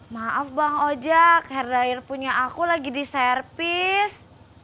maaf bang ojak hair dryer punya aku lagi di servis